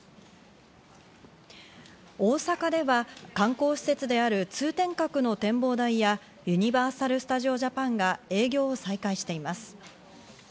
大阪では観光施設である通天閣の展望台や、ユニバーサル・スタジオ・ジャパンが営業を再開しています。